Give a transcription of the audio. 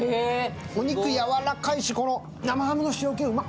お肉、やわらかいし、生ハムの塩気うまっ。